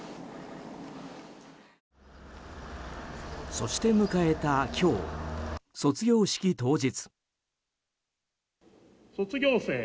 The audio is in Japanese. そして迎えた今日、卒業式当日。